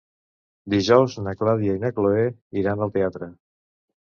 Dijous na Clàudia i na Cloè iran al teatre.